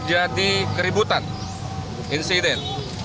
menjadi keributan insiden